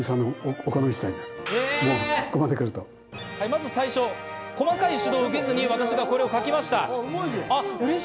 まず最初、細かい指導を受けずに私がこれを描きました。